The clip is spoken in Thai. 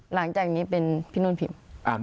หลังจากนี้เป็นพี่นุ่นพิมพ์